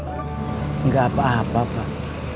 gak apa apa pak